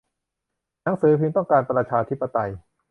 หนังสือพิมพ์ต้องการประชาธิปไตย